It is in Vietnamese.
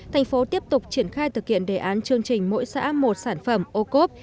thành phố tiếp tục triển khai thực hiện đề án chương trình mỗi xã một sản phẩm ocope